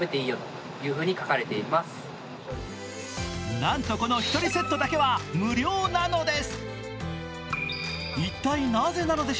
なんとこの１人セットだけは無料なのです。